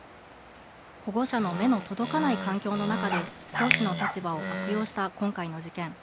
保護者の目の届かない環境の中で講師の立場を悪用した今回の事件。